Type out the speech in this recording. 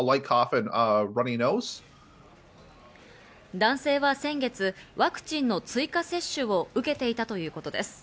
男性は先月、ワクチンの追加接種を受けていたということです。